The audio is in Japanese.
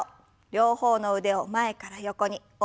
両方の腕を前から横に大きく胸を開きます。